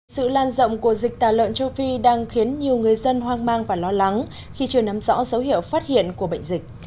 sự lan rộng của dịch tà lợn châu phi đang khiến nhiều người dân hoang mang và lo lắng khi chưa nắm rõ dấu hiệu phát hiện của bệnh dịch